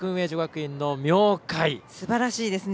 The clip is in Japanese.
すばらしいですね。